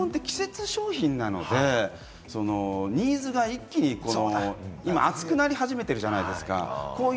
というのは、エアコンは季節商品なので、ニーズが一気に暑くなり始めてるじゃないですか、今。